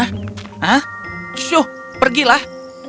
hah syu pergilah